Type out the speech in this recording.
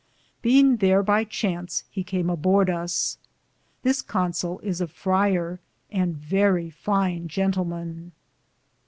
^ Beinge thare by chance he came a borde us. This Consoll is a frier, and verrie fine Jentlman.